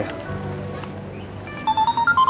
aku berangkat dulu ya